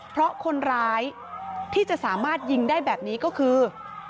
เพราะคนร้ายที่จะสามารถยิงได้แบบนี้ก็คือ